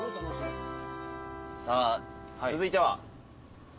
さあ続いては？